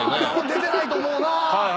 出てないと思うなぁ。